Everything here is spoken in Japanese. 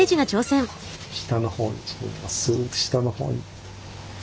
下の方にスッと下の方に。